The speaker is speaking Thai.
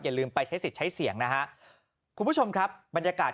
ลืมไปใช้สิทธิ์ใช้เสียงนะฮะคุณผู้ชมครับบรรยากาศ